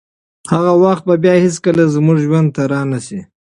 هغه وخت به بیا هیڅکله زموږ ژوند ته رانشي.